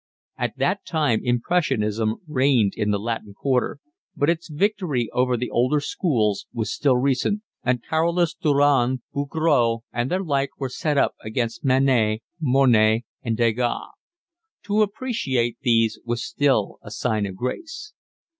At that time impressionism reigned in the Latin Quarter, but its victory over the older schools was still recent; and Carolus Duran, Bouguereau, and their like were set up against Manet, Monet, and Degas. To appreciate these was still a sign of grace.